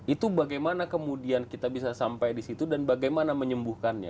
itu bagaimana kemudian kita bisa sampai di situ dan bagaimana menyembuhkannya